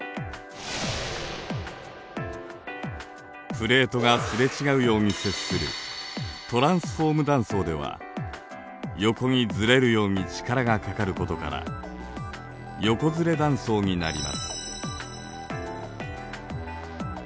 プレートがすれ違うように接するトランスフォーム断層では横にずれるように力がかかることから「横ずれ断層」になります。